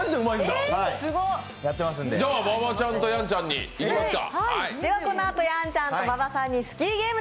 じゃあ、馬場ちゃんとやんちゃんでいきますか！